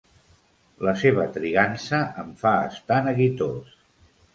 La seva trigança em fa estar neguitós.